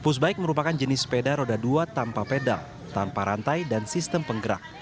pushbike merupakan jenis sepeda roda dua tanpa pedal tanpa rantai dan sistem penggerak